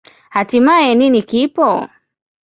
Hatimaye, nini kipo?